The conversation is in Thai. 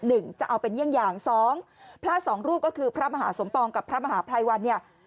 หนึ่งจะเอาเป็นเยี่ยงอย่างสองพระสองรูปก็คือพระมหาสมปองกับพระมหาภัยวันเนี่ย